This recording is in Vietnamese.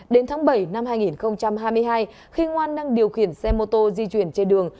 đến tháng bảy năm hai nghìn hai mươi hai khi ngoan đang điều khiển xe mô tô di chuyển trên đường